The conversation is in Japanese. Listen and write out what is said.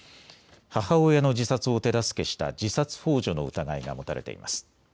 母親の自殺を手助けした自殺ほう助の疑いが持たれています。